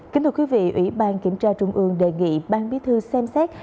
kính thưa quý vị ủy ban kiểm tra trung ương đề nghị ban bí thư xem xét